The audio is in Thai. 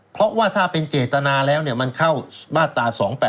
เพราะว่าถ้าเป็นเจตนาแล้วมันเข้ามาตรา๒๘๘